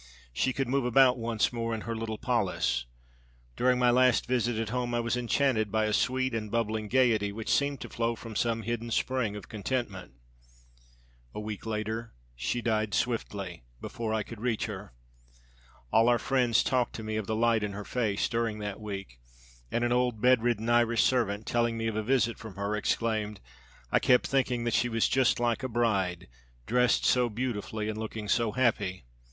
She could move about once more in her little polis. During my last visit at home I was enchanted by a sweet and bubbling gayety which seemed to flow from some hidden spring of contentment. A week later she died swiftly, before I could reach her. All our friends talked to me of the light in her face during that week, and an old bedridden Irish servant, telling me of a visit from her, exclaimed, 'I kept thinking that she was just like a bride, dressed so beautifully and looking so happy.'